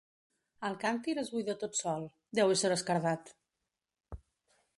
El càntir es buida tot sol: deu ésser esquerdat.